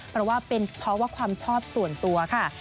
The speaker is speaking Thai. เพราะว่าเป็นเพราะว่าความชอบส่วนตัวค่ะ